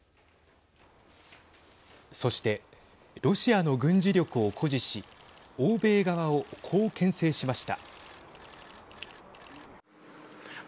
そして、ロシアの軍事力を誇示し欧米側をこうけん制しました。